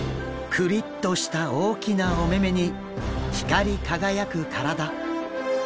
クリッとした大きなお目々に光り輝く体。